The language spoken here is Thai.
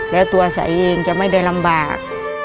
แล้วตัวใสเองจะไม่ได้ลำบาก